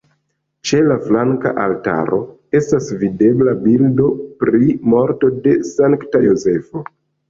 Ĉe la flanka altaro estas videbla bildo pri morto de Sankta Jozefo.